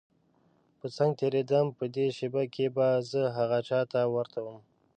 په څنګ تېرېدم په دې شېبه کې به زه هغه چا ته ورته وم.